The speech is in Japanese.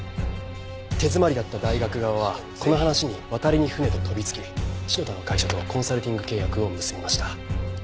手詰まりだった大学側はこの話に渡りに船と飛びつき篠田の会社とコンサルティング契約を結びました。